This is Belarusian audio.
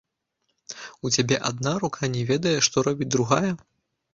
У цябе адна рука не ведае, што робіць другая.